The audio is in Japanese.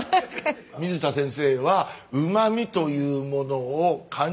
水田先生はうまみというものを感じる